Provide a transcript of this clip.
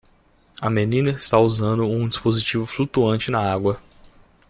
A menina está usando um dispositivo flutuante na água.